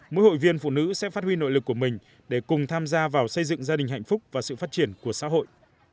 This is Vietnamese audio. mỗi hội viên phụ nữ sẽ phát huy nội lực của mình để cùng tham gia vào xây dựng gia đình hạnh phúc và sự phát triển của xã hội